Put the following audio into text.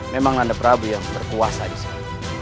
memang anda prabu yang berkuasa disini